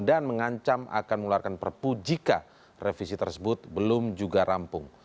mengancam akan mengeluarkan perpu jika revisi tersebut belum juga rampung